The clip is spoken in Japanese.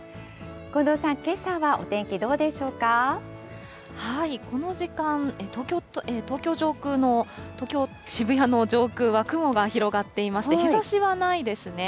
近藤さん、この時間、東京上空の、東京・渋谷の上空は雲が広がっていまして、日ざしはないですね。